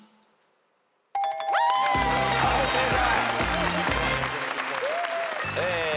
はい正解。